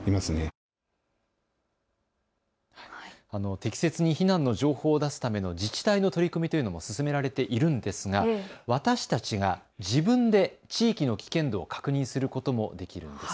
適切に避難の情報を出すための自治体の取り組みというのも進められているんですが私たちが自分で地域の危険度を確認することもできます。